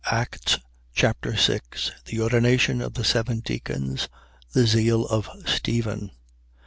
Acts Chapter 6 The ordination of the seven deacons. The zeal of Stephen.